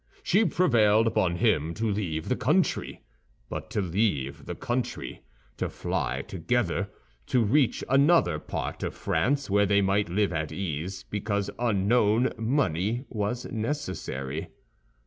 She prevailed upon him to leave the country; but to leave the country, to fly together, to reach another part of France, where they might live at ease because unknown, money was necessary.